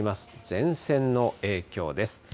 前線の影響です。